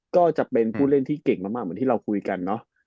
ก็จะเป็นผู้เล่นที่เก่งมากเหมือนที่เราคุยกันเนาะ